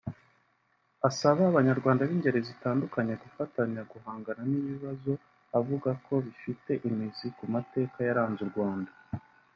asaba abanyarwanda b’ingeri zitandukanye gufatanya guhangana n’ibibazo avuga ko bifite imizi ku mateka yaranze u Rwanda